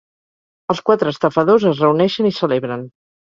Els quatre estafadors es reuneixen i celebren.